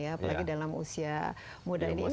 apalagi dalam usia muda ini